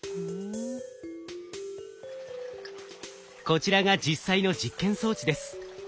こちらが実際の実験装置です。